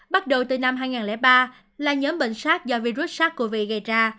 bắt đầu từ năm hai nghìn ba là nhóm bệnh sars do virus sars cov hai gây ra